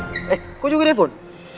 eh kok juga daya fon